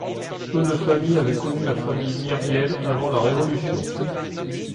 Peu de familles avaient connu la famille Myriel avant la révolution.